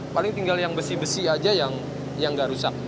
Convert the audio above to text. paling tinggal yang besi besi aja yang nggak rusak